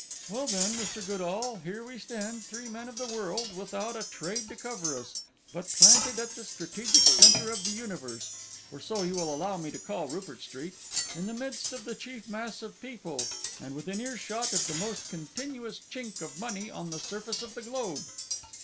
'Well then, Mr. Godall, here we stand, three men of the world, without a trade to cover us, but planted at the strategic centre of the universe (for so you will allow me to call Rupert Street), in the midst of the chief mass of people, and within ear shot of the most continuous chink of money on the surface of the globe.